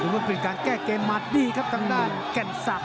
เป็นการแก้เกมมาดีครับทางด้านแก่งสับ